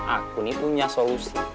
aku nih punya solusi